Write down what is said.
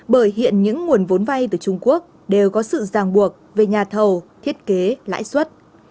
bởi hiện những nguồn vốn vay từ trung quốc đều có sự ràng buộc về nhà thầu thiết kế lãi suất